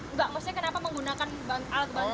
enggak maksudnya kenapa menggunakan alat bantu ini